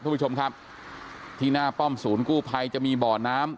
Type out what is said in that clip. คุณผู้ชมครับที่หน้าป้อมศูนย์กู้ภัยจะมีบ่อน้ำ